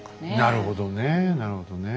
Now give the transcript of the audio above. なるほどねえなるほどね。